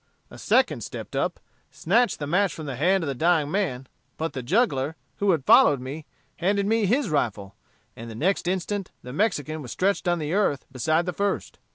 A second stepped up, snatched the match from the hand of the dying man, but the juggler, who had followed me, handed me his rifle, and the next instant the Mexican was stretched on the earth beside the first.